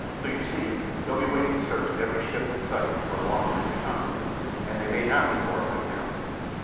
So you see they'll be waiting to search every ship they sight for a long time to come, and they may not be far away now."